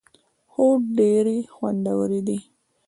هو، ډیری خوندورې دي